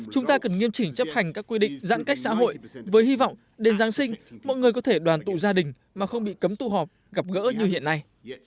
chúng ta cần nghiêm chỉnh chấp hành các quy định giãn cách xã hội với hy vọng đến giáng sinh mọi người có thể đoàn tụ gia đình mà không bị cấm tụ họp gặp gỡ như hiện nay